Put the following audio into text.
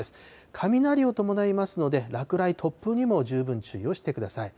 雷を伴いますので、落雷、突風にも十分注意をしてください。